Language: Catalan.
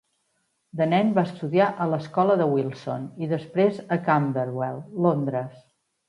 De nen va estudiar a l'escola de Wilson i després a Camberwell, Londres.